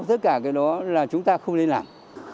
tất cả cái đó là chúng ta không nên làm